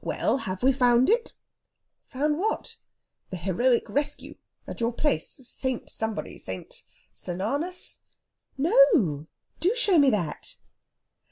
"Well, have we found it?" "Found what?" "The heroic rescue at your place Saint Somebody Saint Senanus...." "No! Do show me that."